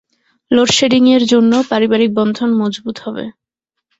লোডশেডিংয়ের জন্য পারিবারিক বন্ধন মজবুত হবে।